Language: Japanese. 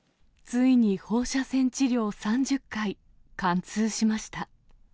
ついに放射線治療３０回、貫通しました。